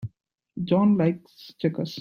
John likes checkers.